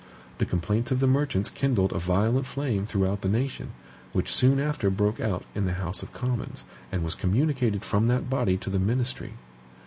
The complaints of the merchants kindled a violent flame throughout the nation, which soon after broke out in the House of Commons, and was communicated from that body to the ministry.